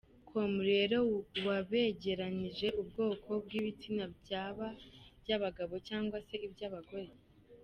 com rero wabegeranirije ubwoko bw’ibitsina byaba iby’abagabo cyangwa se iby’abagore.